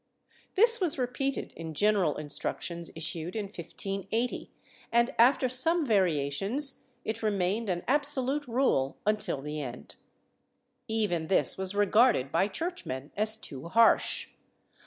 This was repeated in general instructions issued in 1580 and, after some variations, it remained an absolute rule until the end.^ Even this was regarded by churchmen as too harsh.